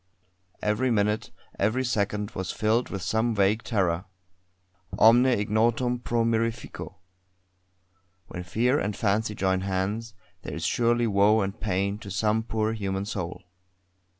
Every minute, every second, was filled with some vague terror. Omne ignotum pro mirifico. When Fear and Fancy join hands, there is surely woe and pain to some poor human soul.